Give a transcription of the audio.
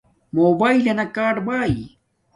موباݵلنا کاڈ باݵ